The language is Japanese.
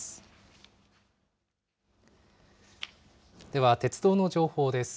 では鉄道の情報です。